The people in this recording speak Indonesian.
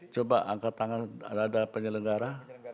coba angkat tangan ada penyelenggara